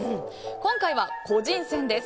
今回は個人戦です。